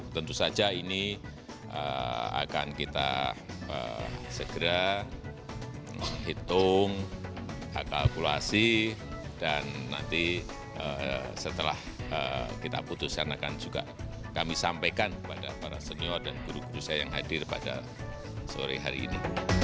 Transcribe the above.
tentu saja ini akan kita segera hitung akalkulasi dan nanti setelah kita putuskan akan juga kami sampaikan kepada para senior dan guru guru saya yang hadir pada sore hari ini